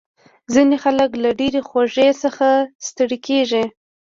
ځینې خلک له ډېرې خوږې څخه ستړي کېږي.